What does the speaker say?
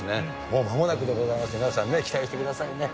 もうまもなくでございます、皆さんね、期待してくださいね。